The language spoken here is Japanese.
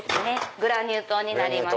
グラニュー糖になります。